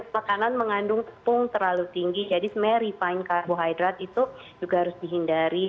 makanan mengandung tepung terlalu tinggi jadi semuanya refined carbohydrate itu juga harus dihindari